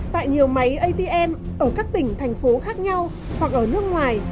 tại nhiều máy atm ở các tỉnh thành phố khác nhau hoặc ở nước ngoài